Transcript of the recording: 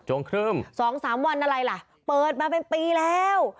วงครึ่ม๒๓วันอะไรล่ะเปิดมาเป็นปีแล้ว